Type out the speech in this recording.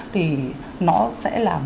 thì nó sẽ là một cái mà